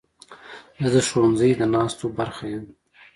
زه د ښوونځي د ناستو برخه یم.